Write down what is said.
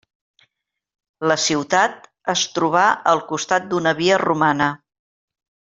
La ciutat es trobà al costat d'una via romana.